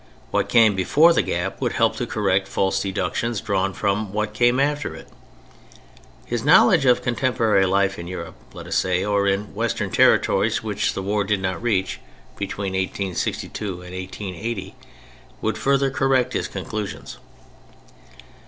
What came before the gap would help to correct false deductions drawn from what came after it. His knowledge of contemporary life in Europe, let us say, or in western territories which the war did not reach, between 1862 and 1880, would further correct his conclusions.